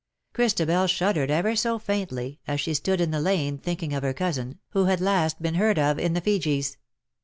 Christabel shuddered ever so faintly as she stood in the lane thinking of her cousin, who had last been heard of in the Fijis.